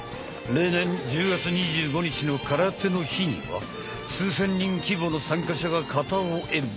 例年１０月２５日の「空手の日」には数千人規模の参加者が形を演武。